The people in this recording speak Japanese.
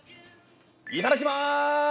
いただきます！